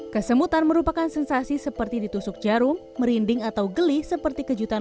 kesemutan merupakan sensasi seperti ditusuk jarum merinding atau geli seperti kejutan